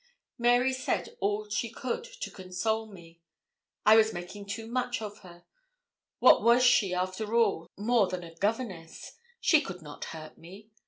Mary said all she could to console me. I was making too much of her. What was she, after all, more than a governess? she could not hurt me.